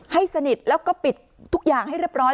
ให้สนิทแล้วก็ปิดทุกอย่างให้เรียบร้อย